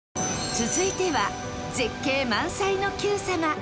続いては絶景満載の『Ｑさま！！』。